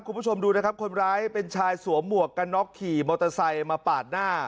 คุณผู้ชมดูนะครับคนร้ายเป็นชายสวมหมวกกันน็อกขี่มอเตอร์ไซค์มาปาดหน้า